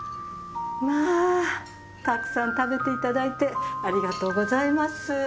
まぁたくさん食べていただいてありがとうございます。